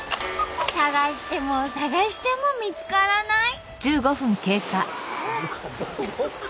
探しても探しても見つからない。